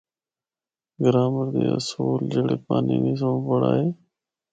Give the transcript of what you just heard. گرائمر دے اصول جڑے پانینی سنڑ بنڑائے۔